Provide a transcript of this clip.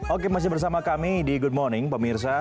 oke masih bersama kami di good morning pemirsa